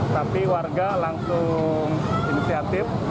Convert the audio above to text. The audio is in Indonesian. tapi warga langsung inisiatif